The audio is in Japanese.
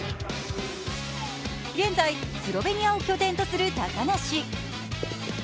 現在、スロベニアを拠点とする高梨。